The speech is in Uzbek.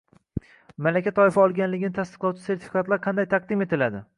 Malaka toifa olganligini tasdiqlovchi sertifikatlar qanday taqdim etiladi?